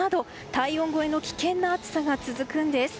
体温超えの危険な暑さが続くんです。